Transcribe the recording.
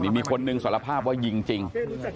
มีคนนึงสารภาพว่ายิงจริง